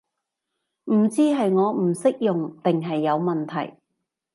唔知係我唔識用定係有問題